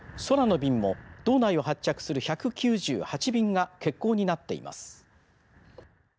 空の便も道内を発着する１９８便が欠航になっています。